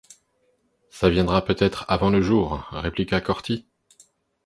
Ça viendra peut-être avant le jour, répliqua Corty.